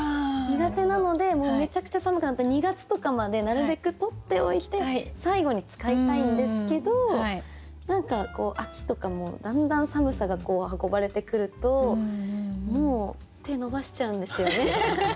苦手なのでめちゃくちゃ寒くなると２月とかまでなるべく取っておいて最後に使いたいんですけど何かこう秋とかもだんだん寒さが運ばれてくるともう手伸ばしちゃうんですよね。